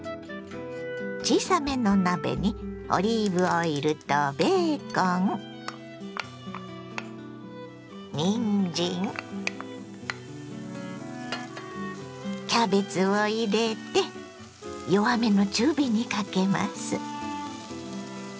小さめの鍋にオリーブオイルとベーコンにんじんキャベツを入れて弱めの中火にかけます。